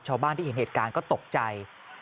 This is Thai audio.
ชาวบ้านที่เห็นเหตุการณ์ก็ตกใจ